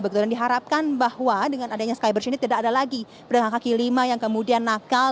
begitu dan diharapkan bahwa dengan adanya skybridge ini tidak ada lagi pedagang kaki lima yang kemudian nakal